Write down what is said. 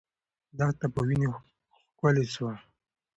دښته په وینو ښکلې سوه.